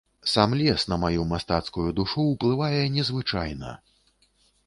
Сам лес на маю мастацкую душу ўплывае незвычайна.